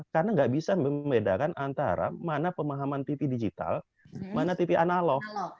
karena nggak bisa membedakan antara mana pemahaman tv digital mana tv analog